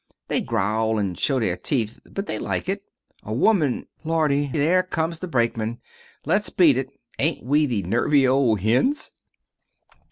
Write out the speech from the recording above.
They growl and show their teeth, but they like it. A woman Lordy! there comes the brakeman. Let's beat it. Ain't we the nervy old hens!"